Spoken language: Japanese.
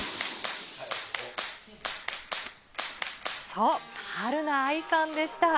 そう、はるな愛さんでした。